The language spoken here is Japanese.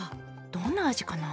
どんな味かな？